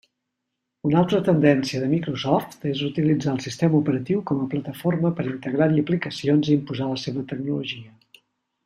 Una altra tendència de Microsoft és utilitzar el sistema operatiu com a plataforma per integrar-hi aplicacions i imposar la seva tecnologia.